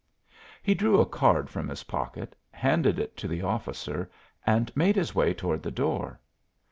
He drew a card from his pocket, handed it to the officer and made his way toward the door.